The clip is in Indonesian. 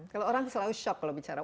kalau orang selalu shock kalau bicara